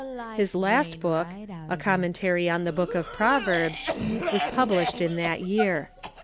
His last book, "A Commentary on the Book of Proverbs," was pub lished in that year.